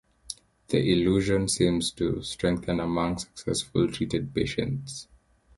The illusion seems to strengthen among successfully treated patients.